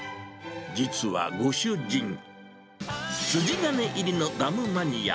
実はご主人、筋金入りのダムマニア。